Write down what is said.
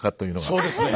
そうですね。